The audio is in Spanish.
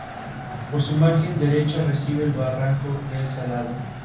Por su margen derecha recibe el barranco del Salado.